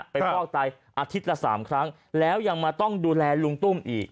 ฟอกไตอาทิตย์ละ๓ครั้งแล้วยังมาต้องดูแลลุงตุ้มอีก